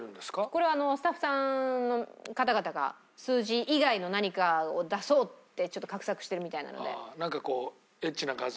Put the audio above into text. これはスタッフさんの方々が数字以外の何かを出そうってちょっと画策してるみたいなので。